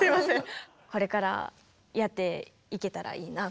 これからやっていけたらいいなと。